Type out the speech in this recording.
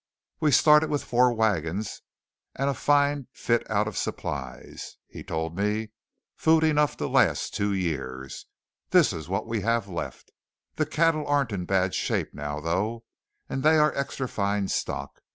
"We started with four wagons and a fine fit out of supplies," he told me "food enough to last two years. This is what we have left. The cattle aren't in bad shape now though; and they are extra fine stock.